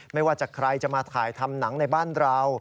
ไม่ว่าจะใครจะมาถ่ายทำหนังในบ้านเรา